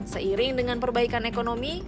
seiring dengan perbaikan ekonomi